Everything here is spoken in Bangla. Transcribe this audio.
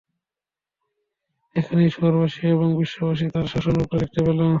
এখন এই শহরবাসী এবং বিশ্ববাসী তার আসল রূপটা দেখতে পেলো।